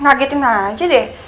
nagetin aja deh